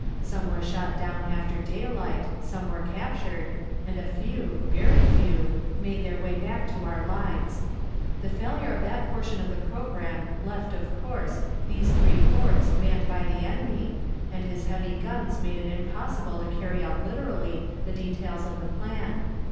Some were shot down after daylight, some were captured, and a few, very few, made their way back to our lines. The failure of that portion of the programme left, of course, these three forts manned by the enemy, and his heavy guns made it impossible to carry out literally the details of the plan.